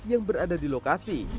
yang berada di lokasi